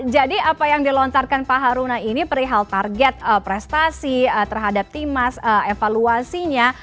jadi apa yang dilontarkan pak haruna ini perihal target prestasi terhadap timas evaluasinya